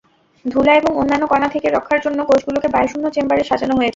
ধুলা এবং অন্যান্য কণা থেকে রক্ষার জন্য কোষগুলোকে বায়ুশূন্য চেম্বারে সাজানো হয়েছে।